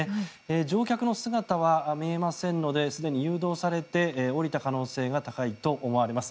乗客の姿は見えませんのですでに誘導されて降りた可能性が高いと思われます。